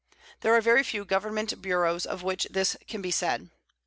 There are very few Government bureaus of which this can be said.